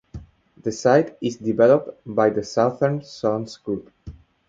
The site is developed by the Southern Sons Group.